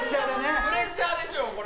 プレッシャーでしょ、これ。